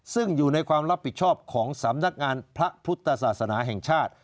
ซึ่งอยู่ในความรับผิดชอบของสำนักงานพระพุทธศาสนาแห่งชาติ